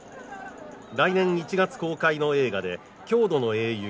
来年１月公開の映画で郷土の英雄・